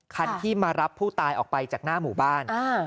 คันที่มารับผู้ตายออกไปจากหน้าหมู่บ้าน